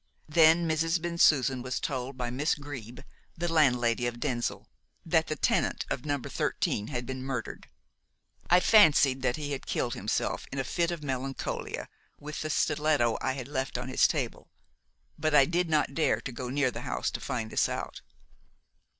Then Mrs. Bensusan was told by Miss Greeb, the landlady of Denzil, that the tenant of No. 13 had been murdered. I fancied that he had killed himself in a fit of melancholia, with the stiletto I had left on his table; but I did not dare to go near the house to find this out.